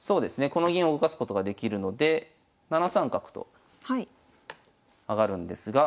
この銀を動かすことができるので７三角と上がるんですが。